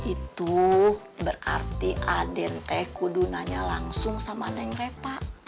itu berarti aden teh kudu nanya langsung sama neng repah